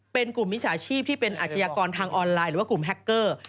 เป็นกลุ่มมิจฉาชีพที่เป็นอาชญากรทางออนไลน์หรือว่ากลุ่มแฮคเกอร์